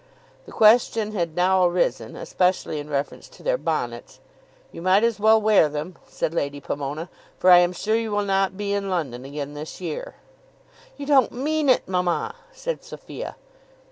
The question had now arisen especially in reference to their bonnets. "You might as well wear them," said Lady Pomona, "for I am sure you will not be in London again this year." "You don't mean it, mamma," said Sophia.